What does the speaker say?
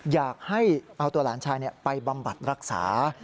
อยากให้เอาตัวหลานชายไปบำบัดรักษา